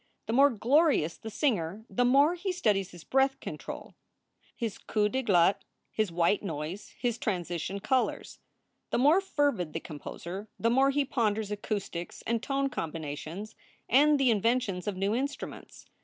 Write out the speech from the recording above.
The more glorious the singer the more he studies his breath control, his coups de glotte, his white notes, his transition colors. The more fervid the composer the more he ponders acoustics and tone combina tions and the inventions of new instruments.